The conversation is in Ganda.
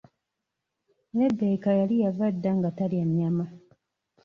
Lebbeka yali yava dda nga talya nnyama.